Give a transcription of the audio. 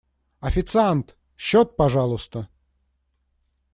Официант! Счёт, пожалуйста.